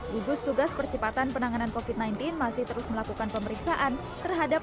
gugus tugas percepatan penanganan covid sembilan belas masih terus melakukan pemeriksaan terhadap